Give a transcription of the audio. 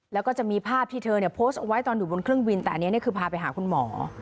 แล้วก็จะมีภาพที่เธอเนี่ยโพสต์เอาไว้ตอนอยู่บนเครื่องบินแต่อันนี้คือพาไปหาคุณหมอ